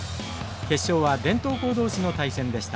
決勝は伝統校同士の対戦でした。